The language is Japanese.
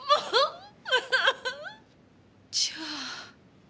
じゃあ。